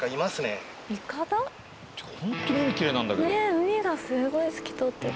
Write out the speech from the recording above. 海がすごい透き通ってる。